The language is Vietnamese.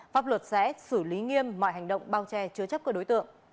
pháp luật sẽ xử lý nghiêm mọi hành động bao che chứa chấp của đối tượng